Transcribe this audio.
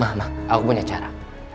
ma ma aku punya cara